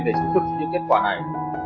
để chứng thực những kết quả này